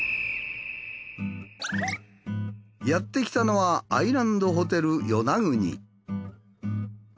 やってきたのはアイランドホテル与那国。